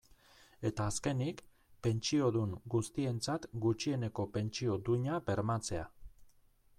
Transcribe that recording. Eta azkenik, pentsiodun guztientzat gutxieneko pentsio duina bermatzea.